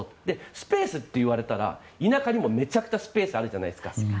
スペースって言われたら田舎にもめちゃくちゃスペースがあるじゃないですか。